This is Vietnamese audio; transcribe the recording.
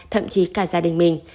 thậm chí cả gia đình mình